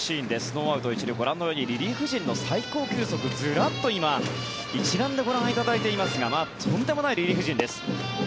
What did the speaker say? ノーアウト１塁ご覧のようにリリーフ陣の最高球速ずらっと今一覧でご覧いただいていますが飛んでもないリリーフ陣です。